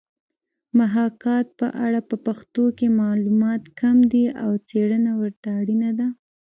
محاکات په اړه په پښتو کې معلومات کم دي او څېړنه ورته اړینه ده